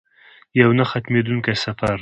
یو نه ختمیدونکی سفر.